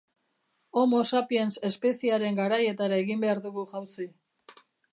Homo sapiens espeziearen garaietara egin behar dugu jauzi.